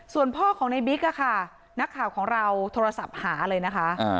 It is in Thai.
ส่วนพ่อของในบิ๊กค่ะนักข่าวของเราโทรศัพท์หาเลยนะคะ